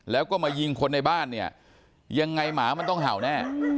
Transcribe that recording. แล้วก็มายิงคนในบ้านเนี่ยยังไงหมามันต้องเห่าแน่